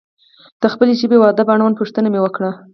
د خپلې ژبې و ادب اړوند پوښتنه مې وکړه.